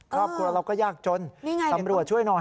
ครอบครัวเราก็ยากจนตำรวจช่วยหน่อย